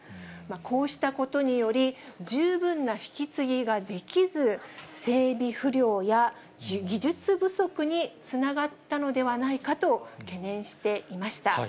こうしたことにより、十分な引き継ぎができず、整備不良や、技術不足につながったのではないかと懸念していました。